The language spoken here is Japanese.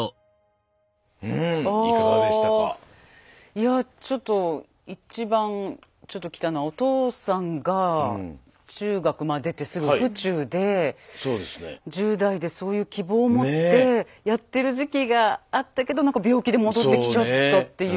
いやちょっと一番ちょっときたのはお父さんが中学出てすぐ府中で１０代でそういう希望を持ってやってる時期があったけどなんか病気で戻ってきちゃったっていう。